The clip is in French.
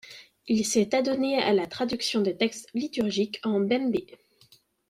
Il s’est adonné à la traduction des textes liturgiques en bembé.